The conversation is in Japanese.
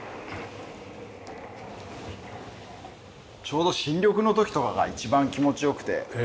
ちょうど新緑の時とかが一番気持ち良くて。